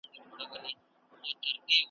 د سیاسي او ښکېلاکي تمایلاتو له مخې